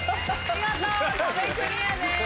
見事壁クリアです。